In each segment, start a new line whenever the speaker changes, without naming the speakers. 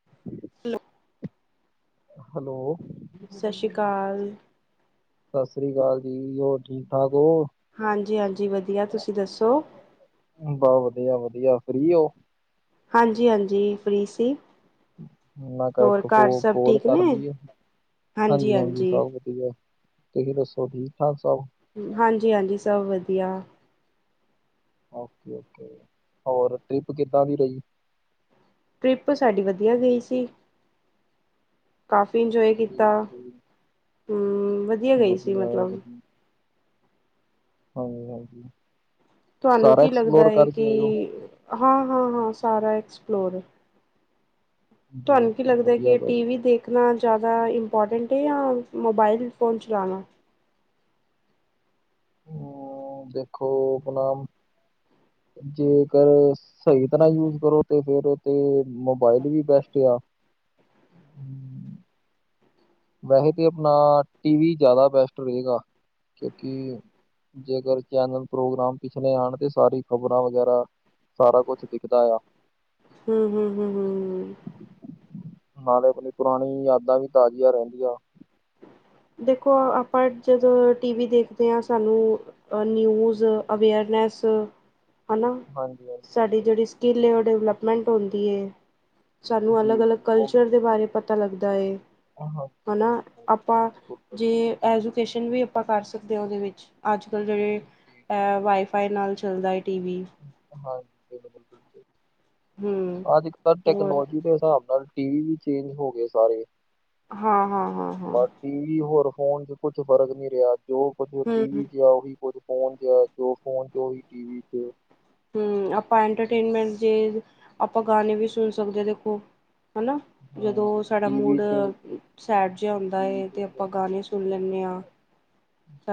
[inaudible]
[inaudible] Hello
ਸਤਿ ਸ਼੍ਰੀ ਅਕਾਲ
ਸਤਿ ਸ੍ਰੀ ਅਕਾਲ ਜੀ ਹੋਰ ਠੀਕ ਠਾਕ ਹੋ।
ਹਾਂਜੀ ਹਾਂਜੀ ਵਧੀਆ ਤੁਸੀਂ ਦੱਸੋ।
ਬਸ ਵਧੀਆ ਵਧੀਆ ਫਰੀ ਹੋ।
ਹਾਂਜੀ ਹਾਂਜੀ ਫ੍ਰੀ ਸੀ ਹੋਰ
ਇੱਕ
ਘਰ ਸਭ
ਕੋਲ
ਠੀਕ ਨੇ
ਕਰ ਲਈਏ ਆ ਹਾਂਜੀ ਹਾਂਜੀ ਸਭ ਕੁ [unintelligible] ਤੁਸੀਂ ਦੱਸੋ ਠੀਕ ਠਾਕ ਸਭ।
ਹਾਂਜੀ ਹਾਂਜੀ ਸਭ ਵਧੀਆ
ਓਕੇ ਓਕੇ ਹੋਰ ਟ੍ਰਿਪ ਕਿੱਦਾਂ ਦੀ ਰਹੀ।
ਟਰਿੱਪ ਸਾਡੀ ਵਧੀਆ ਗਈ ਸੀ। ਕਾਫ਼ੀ ਇੰਜੋਏ ਕੀਤਾ
ਠੀਕ ਹੈ ਜੀ,
ਹਮ ਵਧੀਆ ਗਈ ਸੀ
ਆ
ਮਤਲਬ
ਵਧੀਆ, ਹਾਂਜੀ ਹਾਂਜੀ
ਤੁਹਾਨੂੰ
ਸਾਰਾ
ਕੀ ਲੱਗਦਾ
ਐਕਸਪਲੋਰ
ਹੈ ਕਿ
ਕਰਕੇ ਆਏ ਹੋ?
ਹਾਂ ਹਾਂ ਹਾਂ ਸਾਰਾ ਐਕਸਪਲੋਰ
ਜੀ
ਤੁਹਾਨੂੰ ਕੀ
ਜੀ
ਲੱਗਦਾ ਕਿ
ਵਧੀਆ
ਇਹ
ਗੱਲ
ਟੀ
ਹੈ,
ਵੀ ਦੇਖ ਸਿੱਖਣਾ ਜ਼ਿਆਦਾ ਇੰਪੋਰਟੈਂਟ ਹੈ ਜਾਂ ਮੋਬਾਈਲ ਫ਼ੋਨ ਚਲਉਣਾ
ਹਮ ਦੇਖੋ ਆਪਣਾਮ ਜੇਕਰ ਸਹੀ ਤਰ੍ਹਾਂ ਯੂਜ ਕਰੋ ਤੇ ਫੇਰ ਤੇ ਮੋਬਾਇਲ ਵੀ ਬੈਸਟ ਆ [inaudible] ਵੈਸੇ ਤਾਂ ਆਪਣਾ ਟੀਵੀ ਜ਼ਿਆਦਾ ਬੈਸਟ ਰਹੇਗਾ ਕਿਉਂਕਿ ਜੇਕਰ ਚੈਨਲ ਪ੍ਰੋਗਰਾਮ ਪਿਛਲੇ ਆਉਣ ਤੇ ਸਾਰੀ ਖ਼ਬਰਾਂ ਵਗੈਰਾ ਸਾਰਾ ਕੁਛ ਦਿਖਦਾ ਆ
ਹਮ ਹਮ ਹਮ ਹਮ।
ਨਾਲੇ ਆਪਣੀ ਪੁਰਾਣੀ ਯਾਦਾਂ ਵੀ ਤਾਜ਼ੀਆਂ ਰਹਿੰਦੀਆਂ।
ਦੇਖੋ ਆਪਾਂ ਜਦੋਂ ਟੀ ਵੀ ਦੇਖਦੇ ਆਂ ਸਾਨੂੰ ਅ ਨਿਊਜ਼ ਅਵੇਅਰਨੈਸ, ਹਨਾ।
[unintelligible] ਹਾਂਜੀ ਹਾਂਜੀ
ਸਾਡੀ ਜਿਹੜੀ ਸਕਿੱਲ ਹੈ ਉਹ ਡਿਵਲਪਮੈਂਟ ਹੁੰਦੀ ਹੈ ਸਾਨੂੰ
ਜੀ
ਅਲੱਗ ਅਲੱਗ
ਜੀ
ਕਲਚਰ ਦੇ ਬਾਰੇ ਪਤਾ ਪਤਾ ਲੱਗਦਾ ਏ
ਆਹੋ
ਹੈ ਨਾ ਆਪਾਂ ਜੇ ਐਜੂਕੇਸ਼ਨ ਵੀ ਆਪਾਂ ਕਰ ਸਕਦੇ ਹਾਂ ਉਹਦੇ ਵਿੱਚ ਅੱਜ ਕੱਲ੍ਹ ਜਿਹੜੇ
ਜੀ
ਵਾਈਫਾਈ ਨਾਲ ਚੱਲਦਾ ਏ ਟੀ ਵੀ
ਹਾਂਜੀ
ਹਮ
ਅੱਜ ਕੱਲ
ਹੋਰ
ਟੈਕਨੋਲੋਜੀ ਦੇ ਹਿਸਾਬ ਨਾਲ ਟੀਵੀ ਵੀ ਚੇਂਜ ਹੋ ਗਏ ਸਾਰੇ।
ਹਾਂ-ਹਾਂ-ਹਾਂ-ਹਾਂ।
ਪਰ ਟੀਵੀ ਹੋਰ ਫੋਨ ਚ ਕੁਛ ਫ਼ਰਕ ਨੀ ਰਿਆ ਜੋ ਕੁੱਝ
ਹਮ
ਟੀਵੀ ਚ ਆ ਉਹੀ ਕੁਝ ਫੋਨ ਚੇ ਆ, ਜੋ ਫੋਨ ਚ ਉਹੀ ਟੀਵੀ ਚ।
ਹਮ। ਆਪਾ ਐਂਟਰਟੇਨਮੈਂਟ ਜੇ, ਆਪਾ ਗਾਣੇ ਵੀ ਸੁਣ ਸਕਦੇ ਆ ਦੇਖੋ। ਹਨਾ। ਜਦੋ
ਹਾਂ
ਸਾਡਾ
ਟੀਵੀ
ਮੂਡ
ਤੇ
ਸੈਡ ਜਿਆ ਹੁੰਦਾ
ਜੀ
ਏ, ਤੇ
ਬਿਲਕੁਲ
ਅਪਾ ਗਾਣੇ ਸੁ ਣ ਲੈਨੇ ਆ।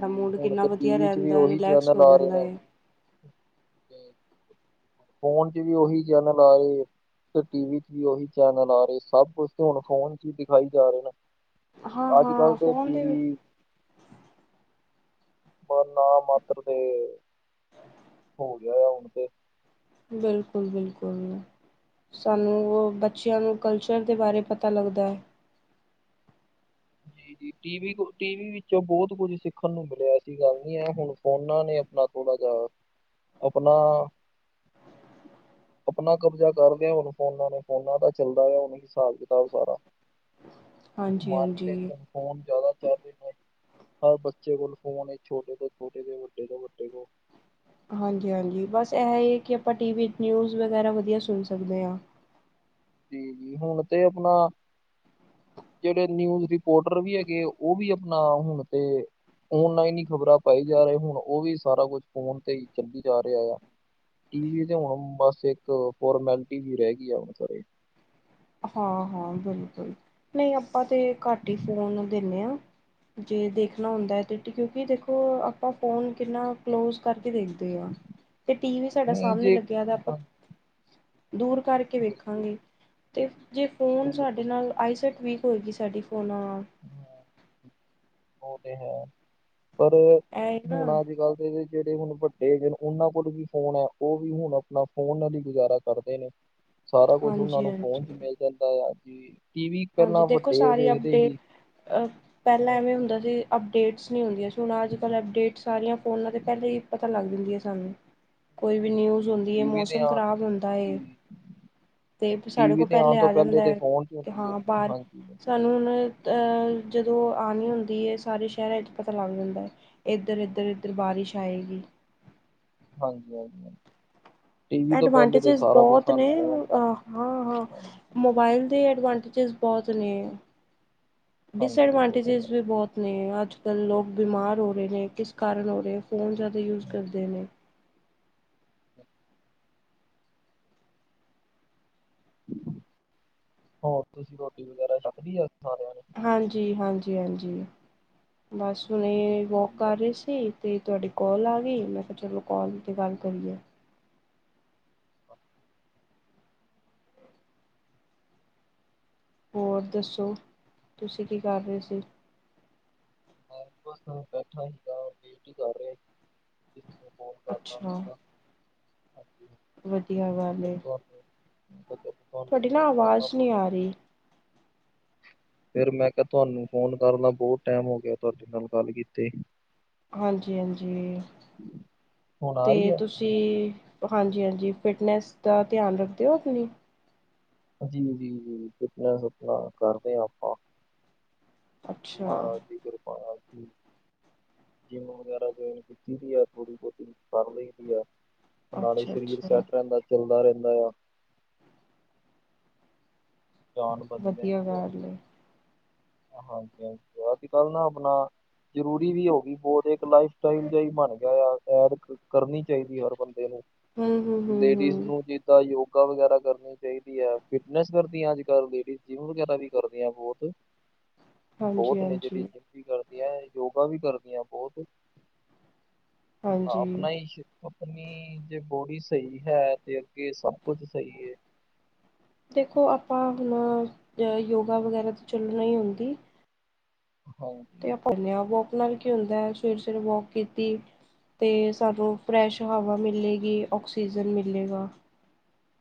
ਜੀ, ਹੁਣ ਤੇ ਟੀਵੀ ਚ ਵੀ
ਰਹਿੰਦਾ ਹੈ,
ਉਹੀ
ਰਿਲੈਕਸ
ਚੈਨਲ
ਹੋ
ਆ ਰੇ
ਜਾਂਦਾ
ਨੇ
ਹੈ
ਹਮ। ਫੋਨ ਚ ਵੀ ਉਹੀ ਚੈਨਲ ਆ ਰੇ, ਤੇ ਟੀਵੀ ਚ ਵੀ ਉਹੀ ਚੈਨਲ ਆ ਸਭ ਕੁਛ ਤੇ ਹੁਣ ਫੋਨ ਚ ਹੀ ਦਿਖਾਈ ਜਾ ਰਹੇ ਨੇ,
ਹਾਂ
ਅੱਜ
ਹਾਂ
ਕੱਲ੍ਹ ਤੇ
ਫੋਨ ਦੇ
ਟੀਵੀ ਪਰ ਨਾ ਮਾਤਰ ਤੇ ਹੋ ਗਿਆ ਹੁਣ ਤੇ।
ਬਿਲਕੁਲ- ਬਿਲਕੁਲ। ਸਾਨੂੰ, ਉਹ ਬੱਚਿਆਂ ਨੂੰ ਕਲਚਰ ਦੇ ਬਾਰੇ ਪਤਾ ਲੱਗਦਾ ਐ।
ਜੀ ਜੀ। ਟੀ ਵੀ ਕੋ, ਟੀ ਵੀ ਵਿੱਚੋਂ ਬਹੁਤ ਕੁੱਝ ਸਿੱਖਣ ਨੂੰ ਮਿਲਿਆ, ਐਸੀ ਗੱਲ ਨੀ ਐ ਹੁਣ ਫੋਨਾਂ ਨੇ ਆਪਣਾ ਥੋੜਾ ਜਾ ਅਪਣਾ ਅਪਣਾ ਕਬਜ਼ਾ ਕਰਦੇ ਹੁਣ ਫੋਨਾਂ ਨੇ, ਫੋਨਾਂ ਦਾ ਚੱਲਦਾ ਆ ਹੁਣ ਹਿਸਾਬ ਕਿਤਾਬ ਸਾਰਾ। [inaudible]
ਹਾਂਜੀ
ਮਾਰਕੀਟ
ਹਾਂਜੀ।
ਵਿੱਚ ਫੋਨ ਜਾਦਾ ਚਲ ਰੇ ਨੇ। ਹਰ ਬੱਚੇ ਕੋਲ ਫੋਨ ਏ। ਛੋਟੇ ਤੋਂ ਛੋਟੇ ਕੋ, ਵੱਡੇ ਤੋਂ ਵੱਡੇ ਕੋ।
ਹਾਂਜੀ ਹਾਂਜੀ। ਬਸ ਏਹ ਈ ਐ ਕਿ ਆਪਾਂ ਟੀ ਵੀ ਚ ਨਿਊਜ਼ ਵਗੈਰਾ ਵਧੀਆ ਸੁਣ ਸਕਦੇ ਆ।
ਜੀ ਜੀ, ਹੁਣ ਤੇ ਅਪਣਾ ਜੇੜੇ ਨਿਊਜ਼ ਰਿਪੋਰਟਰ ਵੀ ਹੈਗੇ ਆ, ਉਹ ਵੀ ਅਪਣਾ ਹੁਣ ਤੇ ਓਨਲਾਈਨ ਈ ਖ਼ਬਰਾਂ ਪਾਈ ਜਾ ਰਏ। ਹੁਣ ਉਹ ਵੀ ਸਾਰਾ ਕੁਛ ਫੋਨ ਤੇ ਈ ਚੱਲੀ ਜਾ ਰਿਆ ਗਾ। ਟੀਵੀ ਤੇ ਹੁਣ ਬਸ ਇੱਕ ਫੋਰਮੈਲਟੀ ਜੀ ਰਹਿ ਗੀ ਆ ਹੁਣ ਘਰੇ।
ਹਾਂ ਹਾਂ ਬਿਲਕੁਲ। ਨਈ ਆਪਾਂ ਤੇ ਘੱਟ ਈ ਫੋਨ ਦਿੰਨੇ ਆ। ਜੇ ਦੇਖਣਾ ਹੁੰਦਾ ਏ ਤੇ ਟੀ, ਕਿਉਂਕਿ ਦੇਖੋ ਆਪਾਂ ਫੋਨ ਕਿੰਨਾ ਕਲੋਜ਼ ਕਰਕੇ ਦੇਖਦੇ ਆ, ਤੇ ਟੀ ਵੀ ਸਾਡਾ
ਨਹੀਂ
ਸਾਮਣੇ
ਜੇ
ਲੱਗਿਆ ਦਾ ਆਪਾਂ
ਹਾਂਜੀ
ਦੂਰ ਕਰਕੇ
ਬਿਲਕੁਲ
ਵੇਖਾਂਗੇ। ਤੇ ਜੇ ਫੋਨ ਸਾਡੇ
ਬਿਲਕੁਲ
ਨਾਲ, ਆਈਸਾਇਟ ਵੀਕ ਹੋਏਗੀ ਸਾਡੀ ਫੋਨਾ ਨਾਲ।
ਹਮ ਉਹ ਤੇ ਹੈ। ਪਰ
ਇਹ ਨਾ
ਹੁਣ ਅੱਜ ਕੱਲ ਤੇ ਏਦੇ ਚ ਜੇੜੇ ਹੁਣ ਵੱਡੇ ਹੈਗੇ ਨੇ, ਉਹਨਾਂ ਕੋਲ ਵੀ ਫੋਨ ਐ। ਉਹ ਵੀ ਹੁਣ ਆਪਣਾ ਫੋਨ ਨਾਲ ਈ ਗੁਜ਼ਾਰਾ ਕਰਦੇ ਨੇ। ਸਾਰਾ ਕੁਝ ਉਹਨਾਂ ਨੂੰ
ਹਾਂਜੀ-ਹਾਂਜੀ,
ਫੋਨ ਚ ਈ
ਹਾਂਜੀ
ਮਿਲ ਜਾਂਦਾ ਆ। ਕੀ ਟੀ ਵੀ
ਹਾਂਜੀ
ਪਹਿਲਾਂ
ਦੇਖੋ
ਵੱਡੇ ਓ
ਸਾਰੀ
ਵੇਖਦੇ ਹੀ
ਅਪਡੇਟ ਅ ਪਹਿਲਾਂ ਐਵੇਂ ਹੁੰਦਾ ਸੀ, ਅਪਡੇਟਸ ਨੀ ਹੁੰਦੀਆਂ ਸੀ ਹੁਣ ਅੱਜ ਕੱਲ੍ਹ ਅਪਡੇਟ ਸਾਰੀਆਂ ਫੋਨਾਂ ਤੇ ਪਹਿਲਾ ਈ ਪਤਾ ਲੱਗ ਜਾਂਦੀਆਂ ਸਾਨੂੰ। ਕੋਈ ਵੀ ਨਿਊਜ਼ ਹੁੰਦੀ ਏ,
ਟੀਵੀ ਤੇ
ਮੌਸਮ
ਆ
ਖਰਾਬ ਹੁੰਦਾ ਏ। ਤੇ-ਤੇ ਸਾਡੇ
ਟੀਵੀ
ਕੋਲ
ਤੇ ਆਉਣ
ਪਹਿਲੇ
ਤੋਂ
ਆ ਜਾਂਦੇ
ਤੇ ਫੋਨ 'ਚ
ਕੇ
ਹੁੰਦੀ ਹੈ
ਹਾਂ ਬਾਰ
ਹਾਂਜੀ
ਸਾਨੂੰ ਹੁਣ ਅ-ਜਦੋਂ ਆਨੀ ਹੁੰਦੀ ਏ ਸਾਰੇ ਸ਼ਹਿਰਾਂ ਚ ਪਤਾ ਲੱਗ ਜਾਂਦੇ। ਇੱਧਰ-ਇੱਧਰ-ਇੱਧਰ ਬਾਰਿਸ਼ ਆਏਗੀ।
ਹਾਂਜੀ-ਹਾਂਜੀ ਹਾਂ।
ਐਡਵਾਂਟੇਜਿਸ
ਕੁਝ
ਬਹੁਤ
ਸਾਨੂੰ
ਨੇ ਹੁਣ।
ਫੋਨ
ਅ ਹਾਂ ਹਾਂ
ਹਾਂਜੀ
ਮੋ ਬਾਈਲ ਦੇ ਅਡਵਾਂਟੇਜਿਸ ਬਹੁਤ ਨੇ,
ਹਾਂਜੀ ਉਹ ਤੇ
ਡਿਸਅਡਵਾਂਟੇਜਿਸ
ਹੈ
ਵੀ ਬਹੁਤ ਨੇ ਅੱਜ ਕੱਲ੍ਹ ਲੋਕ ਬਿਮਾਰ ਹੋ ਰਹੇ ਨੇ, ਕਿਸ ਕਾਰਨ ਹੋ ਰੇ, ਫ਼ੋਨ ਜ਼ਿਆਦਾ ਯੂਜ਼ ਕਰਦੇ ਨੇ।
ਹੋਰ ਤੁਸੀਂ ਰੋਟੀ ਵਗੈਰਾ ਛੱਕਲੀ ਆ, ਸਾਰਿਆਂ ਨੇ?
ਹਾਂਜੀ ਹਾਂਜੀ ਹਾਂਜੀ। ਬਸ ਹੁਣੇ ਵੋਕ ਕਰ ਰੀ ਸੀ ਤੇ ਤੁਆਡੀ ਕੋਲ ਆ ਗਈ, ਮੈਂ ਕਿਹਾ ਚਲੋ ਕੋਲ ਤੇ ਗੱਲ ਕਰੀਏ।
ਅ
ਹੋਰ ਦੱਸੋ, ਤੁਸੀਂ ਕੀ ਕਰ ਰਹੇ ਸੀ।
ਮੈਂ ਬਸ ਬੈਠਾ ਹੀਗਾ ਵੇਟ ਈ ਕਰ ਰਿਆ [unintelligible]
ਅੱਛਾ।
ਹਾਂਜੀ।
ਵਧੀਆ ਗੱਲ ਏ,
[unintelligible]
ਤੁਹਾਡੀ ਨਾ
ਕਰਨਾ
ਆਵਾਜ਼ ਨਹੀਂ
ਬੜਾ
ਆ ਰਹੀ।
ਫੇਰ ਮੈਂ ਕਿਹਾ ਤੁਹਾਨੂੰ ਫੋਨ ਕਰਨਾ ਬਹੁਤ ਟਾਈਮ ਹੋ ਗਿਆ। ਤੁਹਾਡੇ ਨਾਲ ਗੱਲ ਕੀ ਕੀਤੀ।
ਹਾਂਜੀ-ਹਾਂਜੀ,
ਹੁਣ ਆ
ਤੇ
ਰਹੀ ਆ
ਤੁਸੀ? ਜੀ ਹਾਂਜੀ-ਹਾਂਜੀ ਫਿਟਨੈਸ ਦਾ ਧਿਆਨ ਰੱਖ ਦਿਓ, ਤੁਸੀ?
ਜੀ, ਜੀ ਫਿਟਨੈੱਸ ਕਰਦੇ ਹਾਂ ਆਪਾਂ।
ਅੱਛਾ
ਮਹਾਰਾਜ ਦੀ ਕਿਰਪਾ ਆ ਗੀ। ਜਿੰਮ ਵਗੈਰਾ ਜੋਇਨ ਕੀਤੀ ਦੀ ਆ, ਥੋੜੀ ਬਹੁਤੀ ਕਰ ਲਈ ਦੀ ਐ। ਨਾਲੇ
ਅੱਛਾ
ਸਰੀਰ
ਅੱਛਾ
ਸੈੱਟ ਰਹਿੰਦਾ, ਚੱਲਦਾ ਰਹਿੰਦਾ ਆ। ਜਾਨ ਬਣੀ
ਵਧੀਆ ਗੱਲ ਏ।
ਹਾਂਜੀ-ਹਾਂਜੀ, ਅੱਜ-ਕੱਲ੍ਹ ਨਾ ਆਪਣਾ ਜਰੂਰੀ ਵੀ ਹੋਗੀ, ਬਹੁਤ ਇੱਕ ਲਾਈਫ ਸਟਾਈਲ ਜਿਆ ਈ ਬਣ ਗਿਆ ਦੇ ਸੈਰ ਕਰਨੀ ਚਾਹੀਦੀ ਐ, ਹਰ ਬੰਦੇ ਨੂੰ
ਹੂੰ ਹੂੰ ਹੂੰ
ਲੇਡੀਜ਼
ਹੂੰ
ਨੂੰ ਜਿੱਦਾਂ ਯੋਗਾ ਵਗੈਰਾ ਕਰਨੀ ਚਾਈਦੀ ਐ, ਫਿਟਨੈਸ ਕਰਦੀਆਂ ਅੱਜ-ਕੱਲ ਲੇਡੀਜ਼ ਜਿੰਮ ਵਗੈਰਾ ਵੀ ਕਰਦੀਆਂ ਬਹੁਤ।
ਹਾਂਜੀ
ਬਹੁਤ ਨੇ ਜੇੜੀ
ਹਾਂਜੀ
ਜਿੰਮ ਵੀ ਕਰਦੀਆਂ, ਯੋਗਾ ਵੀ ਕਰਦੀਆਂ ਬਹੁਤ। ਨਾ
ਹਾਂਜੀ
ਆਪਣਾ ਹੀ, ਆਪਣੀ ਜੇ ਬੋਡੀ ਸਹੀ ਹੈ, ਤੇ ਅੱਗੇ ਸਭ ਕੁਝ ਸਹੀ ਹੈ।
ਦੇਖੋ ਆਪਾਂ ਹੁਣ ਯੋਗਾ, ਵਗੈਰਾ ਤਾਂ ਚੱਲਣਾ ਹੀ ਹੁੰਂਦੀ।
ਹਾਂ,
ਤੇ ਆਪ ਆਪਦੇ ਆਪ ਵੋਕ ਨਾਲ ਕੀ ਹੁੰਦਾ ਹੈ, ਸਵੇਰ-ਸਵੇਰੇ ਵੋਕ ਕੀਤੀ। ਅਤੇ ਸਾਨੂੰ ਫਰੈਸ਼ ਹਵਾ ਮਿਲੇਗੀ, ਔਕਸੀਜਨ ਮਿਲੇਗਾ।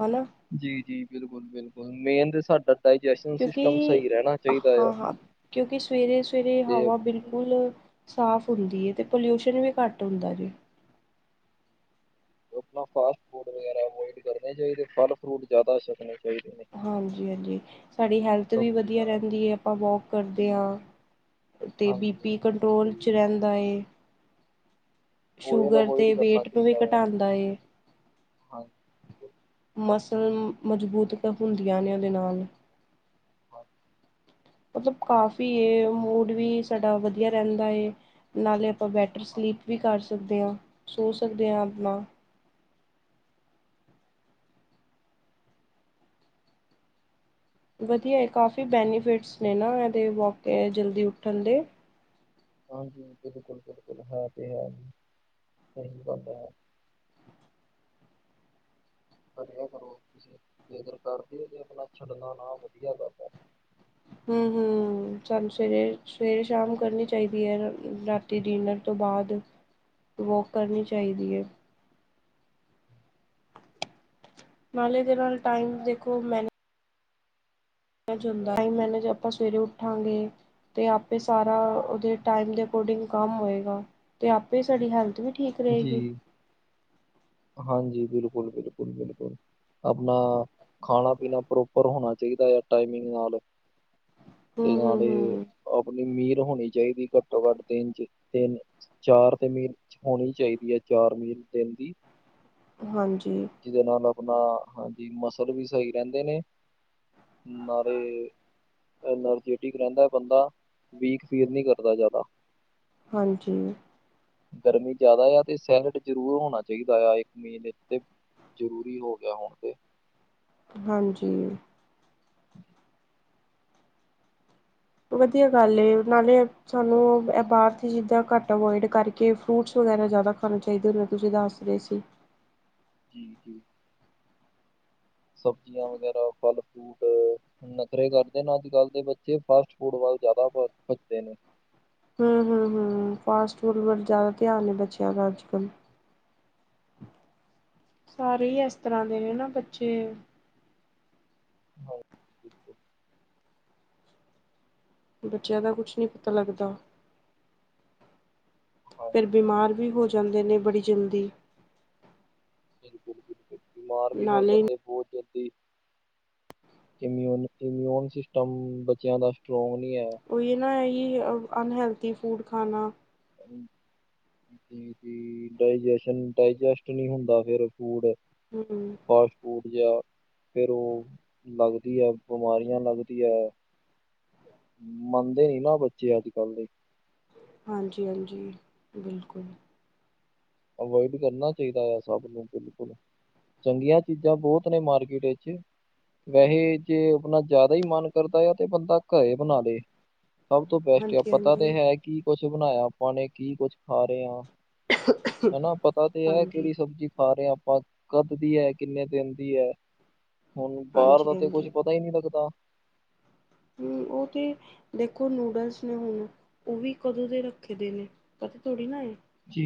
ਹਨਾ,
ਜੀ ਜੀ ਬਿਲਕੁਲ-ਬਿਲਕੁਲ ਮੇਨ ਤੇ ਸਾਡਾ। ਡਾਈਜੈਸ਼ਨ
ਕਿਉਂਕਿ
ਸਿਸਟਮ ਸਹੀ ਰਹਿਣਾ ਚਾਹੀਦਾ ਆ
ਹਾਂ-ਹਾਂ ਕਿਉਂਕਿ ਸਵੇਰੇ-ਸਵੇਰੇ ਹਵਾ
ਤੇ
ਬਿਲਕੁਲ ਸਾਫ ਹੁੰਦੀ ਹੈ, ਤੇ ਪੋਲਿਊਸ਼ਨ ਵੀ ਘੱਟ ਹੁੰਦਾ ਜੀ।
ਆਪਣਾ ਫਾਸਟ ਫੂਡ ਵਗੈਰਾ ਅਵੋਇਡ ਕਰਨੇ ਚਾਹੀਦੇ, ਫਲ ਫਰੂਟ ਜ਼ਿਆਦਾ ਸਕਣੇ।
ਹਾਂਜੀ-ਹਾਂਜੀ ਸਾਡੀ ਹੈਲਥ ਵੀ ਵਧੀਆ
ਸਬਜ਼ੀਆਂ
ਰਹਿੰਦੀ ਹੈ, ਆਪਾਂ ਵੋਕ ਕਰਦੇ
ਜੀ
ਹਾਂ। ਅਤੇ ਬੀ
ਹਾਂਜੀ
ਪੀ
ਹਾਂਜੀ
ਕੰਟਰੋਲ 'ਚ
ਹਾਂਜੀ
ਰਹਿੰਦਾ ਏ।
ਓਇਲ
ਸ਼ੂਗਰ
ਅਵੋਇਡ
ਦੇ
ਕਰਨਾ
ਵੇਟ ਨੂੰ ਵੀ
ਚਾਹੀਦਾ ਆ
ਘਟਾਉਂਦਾ ਏ,
ਹਾਂਜੀ
ਮਸਲ ਮਜ਼ਬੂਤ ਹੁੰਦੀਆਂ ਨੇ ਉਹ ਦੇ ਨਾਲ, ਮਤਲਬ ਕਾਫ਼ੀ ਮੂਡ ਵੀ ਸਾਡਾ ਵਧੀਆ ਰਹਿੰਦਾ ਐ, ਨਾਲੇ ਆਪਾਂ ਬੈਟਰ
ਹਾਂ
ਸਲੀਪ ਵੀ ਕਰ ਸਕਦੇ ਹਾਂ ਸੋ ਸਕਦੇ ਹਾਂ ਆਪਾਂ ਵਧੀਆ ਹੈ ਕਾਫੀ ਬੈਨੀਫਿਟਸ ਨੇ ਨਾ ਇਹਦੇ ਵੋਕੇ ਜਲਦੀ ਉੱਠਣ ਦੇ
ਹਾਂਜੀ ਬਿਲਕੁਲ ਬਿਲਕੁਲ ਹੈ ਤੇ ਹੈ ਸਹੀ ਗੱਲ ਹੈ ਕਰੋ ਤੁਸੀਂ ਕਰਦੇ ਹੋ ਤੇ ਆਪਣਾ ਛੱਡਣਾ ਨਾ ਵਧੀਆ ਕਰਦਾ
ਹਮ ਹਮ ਸਾਨੂੰ ਸਵੇਰੇ ਸਵੇਰੇ ਸ਼ਾਮ ਕਰਨੀ ਚਾਹੀਦੀ ਹੈ ਰਾਤੀ ਅਤੇ ਡਿਨਰ ਤੋਂ ਬਾਅਦ ਵੋਕ ਕਰਨੀ ਚਾਹੀਦੀ ਹੈ। ਨਾਲੇ ਦੇ ਨਾਲ ਟਾਈਮ ਦੇਖੋ ਮੈਨ,
ਹੈ
[unintelligible] ਆਪਾਂ ਸਵੇਰੇ ਉੱਠਾਂਗੇ। ਅਤੇ ਆਪੇ ਸਾਰਾ ਉਹਦੇ ਟਾਈਮ ਦੇ ਅਕੋਡਿੰਗ ਕੰਮ ਹੋਏਗਾ। ਤੇ ਆਪੇ ਸਾਡੀ ਹੈਲਥ ਵੀ ਠੀਕ,
ਜੀ,
ਰਹੇਗੀ
ਹਾਂਜੀ, ਬਿਲਕੁਲ-ਬਿਲਕੁਲ-ਬਿਲਕੁਲ ਆਪਣਾ, ਖਾਣਾ-ਪੀਣਾ ਪ੍ਰੋਪਰ ਹੋਣਾ ਚਾਹੀਦਾ ਆ, ਟਾਈਮਿੰਗ ਨਾਲ ਤੇ
ਹੂੰ ਹੂੰ
ਨਾਲ
ਹੂੰ
ਆਪਣੀ ਮੀਰ ਹੋਣੀ ਚਾਹੀਦੀ ਘੱਟੋ-ਘੱਟ ਤਿੰਨ ਚ ਤਿੰਨ-ਚਾਰ ਤੇ ਮੀਰ ਹੋਣੀ ਚਾਹੀਦੀ ਹੈ, ਚਾਰ ਮੀਲ ਦਿਨ ਦੀ।
ਹਾਂਜੀ।
ਜਿਹਦੇ ਨਾਲ ਆਪਣਾ ਹਾਂਜੀ ਮਸਲ ਵੀ ਸਹੀ ਰਹਿੰਦੇ ਨੇ। ਨਾਲੇ। ਐਨਰਜੈਟਿਕ ਰਹਿੰਦਾ ਬੰਦਾ ਵੀਕ ਫੀਲ ਨਹੀਂ ਕਰਦਾ ਜ਼ਿਆਦਾ
ਹਾਂਜੀ।
ਗਰਮੀ ਜ਼ਿਆਦਾ ਆ ਤੇ ਸੈਲਡ ਜ਼ਰੂਰ ਹੋਣਾ ਚਾਹੀਦਾ ਆ ਇੱਕ ਮੀਨ ਉਤੇ ਜ਼ਰੂਰੀ ਹੋ ਗਿਆ ਹੁਣ ਤੇ
ਹਾਂਜੀ। ਵਧੀਆ ਗੱਲ ਏ ਨਾਲੇ। ਸਾਨੂੰ ਬਾਹਰ ਦੀ ਚੀਜ਼ਾਂ ਘੱਟ ਅਵੋਇਡ ਕਰਕੇ ਫਰੂਟਸ ਵਗੈਰਾ ਜ਼ਿਆਦਾ ਖਾਣੇ ਚਾਹੀਦੇ ਹੁੰਦੇ ਤੁਸੀਂ ਦੱਸ। ਜ੍ਰਸੀ।
ਜੀ ਜੀ ਸਬਜ਼ੀਆਂ ਵਗੈਰਾ ਫਲ ਫੂ ਫ ਨਖਰੇ ਕਰਦੇ ਨੇ ਅੱਜ ਕੱਲ ਦੇ ਬੱਚੇ ਫਾਸਟ ਫੂਡ ਵੱਲ ਜ਼ਿਆਦਾ ਭੱਜਦੇ ਨੇ
ਹਮ ਹਮ ਹਮ ਫਾਸਟ ਫੂਡ ਵੱਲ ਜ਼ਿਆਦਾ ਧਿਆਨ ਬੱਚਿਆਂ ਦਾ ਅੱਜ ਕੱਲ੍ਹ ਸਾਰੇ ਹੀ ਇਸ ਤਰ੍ਹਾਂ ਦੇ ਨੇ ਨਾ ਬੱਚੇ
ਹਾਂ ਜੀ ਬਿਲਕੁਲ
ਬੱਚਿਆਂ ਦਾ ਕੁਛ ਨਹੀਂ ਪਤਾ ਲੱਗਦਾ। ਫਿਰ
ਹਾਂਜੀ
ਬਿਮਾਰ ਵੀ ਹੋ ਜਾਂਦੇ ਨੇ ਬੜੀ ਜਲਦੀ।
ਬਿਲਕੁਲ ਬਿਲਕੁਲ ਬਿਮਾਰ ਵੀ ਹੋ
ਨਾਲੇ
ਜਾਂਦੇ ਬਹੁਤ ਇਮਿਊਨ ਇਮਿਊਨ ਸਿਸਟਮ ਬੱਚਿਆਂ ਦਾ ਸਟਰੋਂਗ ਨਹੀਂ ਹੈ।
ਉਹੀ ਨਾ ਹੈ। ਅਨਹਲਥੀ ਫੂਡ ਖਾਣਾ।
[unintelligible] ਡ ਡਜਸਟ ਨਹੀਂ ਹੁੰਦਾ ਫਿਰ ਫੂਡ
ਹਮ।
ਫਾਸਟ ਫੂਡ ਜ ਫਿਰ ਉਹ ਲੱਗਦੀ ਹੈ। ਬਿਮਾਰੀਆਂ ਲੱਗਦੀ ਹੈ। ਮੰਨਦੇ ਨੀ ਨਾ ਬੱਚੇ ਅੱਜ, ਕੱਲ ਦੇ।
ਹਾਂਜੀ, ਹਾਂਜੀ ਬਿਲਕੁਲ
ਅਵੋਇਡ ਕਰਨਾ ਚਾਹੀਦਾ ਆ ਸਭ ਨੂੰ ਬਿਲਕੁਲ ਚੰਗੀਆਂ ਚੀਜ਼ਾਂ ਬਹੁਤ ਨੇ ਮਾਰਕੀਟ ਵਿਚ। ਵੈਸੇ ਜੇ ਆਪਣਾ ਜ਼ਿਆਦਾ ਹੀ ਮਨ ਕਰਦਾ ਆ ਤੇ ਬੰਦਾ ਘਰੇ ਬਣਾ ਦੇ। ਸਭ ਤੋਂ ਬੈਸਟ ਆ
ਹਾਂਜੀ
ਪਤਾ ਤੇ
ਹਾਂਜੀ
ਹੈ ਕੀ ਕੁਛ ਬਣਾਇਆ ਆਪਾਂ ਨੇ ਕੀ ਕੁੱਝ ਖਾ ਰਹੇ ਹ। ਹਨਾ ਪਤਾ ਤੇ ਹੈਮ
ਹਾਂਜੀ
ਕਿਹੜੀ ਸਬਜ਼ੀ ਖਾ ਰਹੇ ਹਾਂ ਆਪਾਂ ਕਦ ਦੀ ਹੈ ਕਿੰਨੇ ਦਿਨ ਦੀ ਹੈ। ਹੁਣ ਬਾਹਰ ਦਾ
ਹਾਂਜੀ
ਤੇ ਕੁਛ
ਹਾਂਜੀ
ਪਤਾ ਹੀ ਨਹੀਂ ਲੱਗਦਾ।
ਹਮ ਉਹ ਤੇ ਦੇਖੋ ਨੂਡਲਸ ਨੇ ਹੁਣ ਉਹ ਵੀ ਕਦੋਂ ਦੇ ਰੱਖੇ ਦੇ ਨੇ ਪਤਾ ਥੋੜੀ ਨਾ
ਜੀ,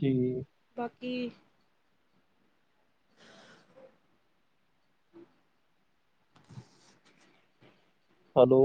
ਜੀ।
ਬਾਕੀ
ਹੈਲੋ।